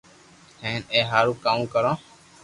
ھين اي ھارون ڪاو ڪرو